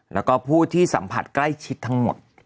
แล้วก็ผู้ที่สัมผัสใกล้ชิดทั้งหมด